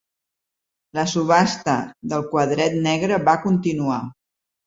La subhasta del quadret negre va continuar.